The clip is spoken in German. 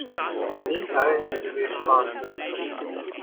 Den Teil hätte sie sich sparen können.